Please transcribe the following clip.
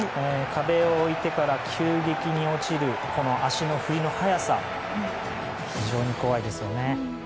壁を置いてから急激に落ちる足の振りの速さ非常に怖いですよね。